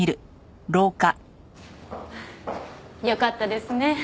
よかったですね。